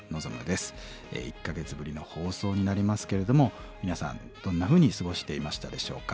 １か月ぶりの放送になりますけれども皆さんどんなふうに過ごしていましたでしょうか？